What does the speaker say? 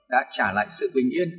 đã trả lại sự bình yên